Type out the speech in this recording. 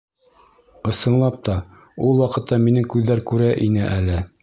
Ысынлап та, ул ваҡытта минең күҙҙәр күрә ине әле.